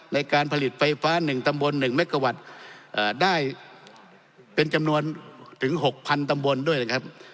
ในการผลิตไฟฟ้า๑ตำบล๑เมกาวัตต์ได้เป็นจำนวนถึง๖๐๐๐ตำบลด้วยนะครับ